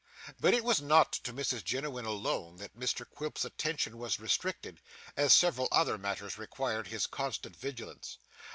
But it was not to Mrs Jiniwin alone that Mr Quilp's attention was restricted, as several other matters required his constant vigilance.